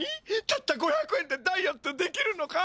たった５００円でダイエットできるのか？